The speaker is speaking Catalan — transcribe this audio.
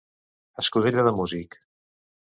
Escudella de músic.